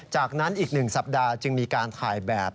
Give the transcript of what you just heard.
จากนั้นอีก๑สัปดาห์จึงมีการถ่ายแบบ